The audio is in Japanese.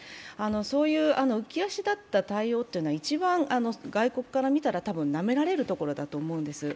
そういう浮き足立った外交というのは一番、外国から見たら、なめられるところだと思うんです。